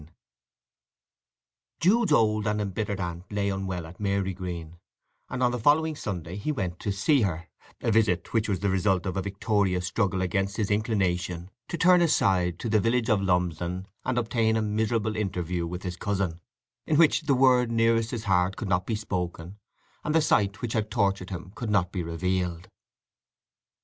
VI Jude's old and embittered aunt lay unwell at Marygreen, and on the following Sunday he went to see her—a visit which was the result of a victorious struggle against his inclination to turn aside to the village of Lumsdon and obtain a miserable interview with his cousin, in which the word nearest his heart could not be spoken, and the sight which had tortured him could not be revealed.